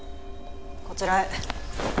こちらへ。